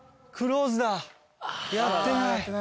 やってない。